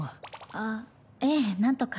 あっええなんとか。